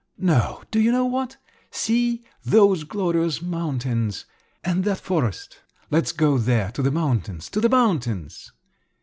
No, do you know what: see, those glorious mountains—and that forest! Let's go there, to the mountains, to the mountains!"